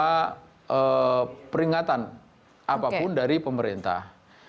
tidak pernah menerima peringatan apapun dari pemerintah